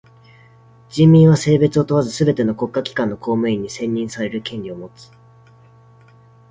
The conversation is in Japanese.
人民は性別を問わずすべての国家機関の公務員に選任される権利をもつ。